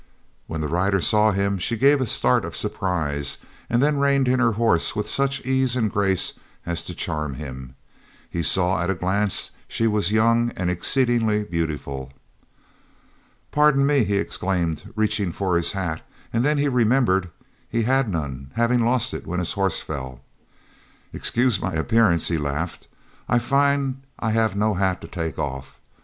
When the rider saw him she gave a start of surprise, and then reined in her horse with such ease and grace as to charm him. He saw at a glance she was young and exceedingly beautiful. "Pardon me," he exclaimed, reaching for his hat, and then he remembered he had none, having lost it when his horse fell. "Excuse my appearance," he laughed. "I find I have no hat to take off.